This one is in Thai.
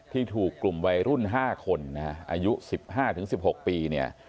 ที่ถูกกลุ่มวัยรุ่น๕คนอายุ๑๕๑๖ปี